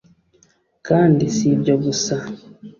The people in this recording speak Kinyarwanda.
kandi si ibyo gusa